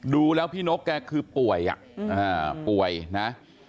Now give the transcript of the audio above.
ดูแล้วพี่นกแกคือป่วยป่วยนะ